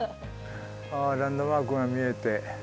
あランドマークが見えて。